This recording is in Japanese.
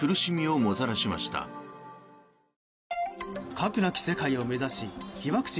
核なき世界を目指し被爆地